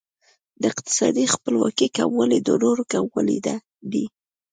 د اقتصادي خپلواکۍ کموالی د نورو کموالی دی.